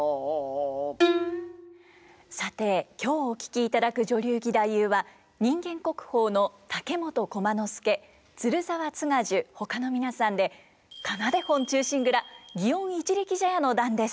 さて今日お聴きいただく女流義太夫は人間国宝の竹本駒之助鶴澤津賀寿ほかの皆さんで「仮名手本忠臣蔵園一力茶屋の段」です。